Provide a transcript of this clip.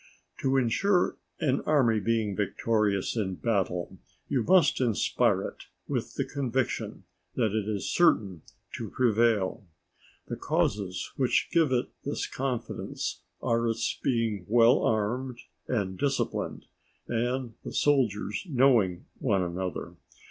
_ To insure an army being victorious in battle you must inspire it with the conviction that it is certain to prevail. The causes which give it this confidence are its being well armed and disciplined, and the soldiers knowing one another.